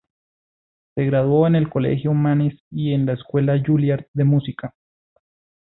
Se graduó en el Colegio Mannes y en la escuela Juilliard de música.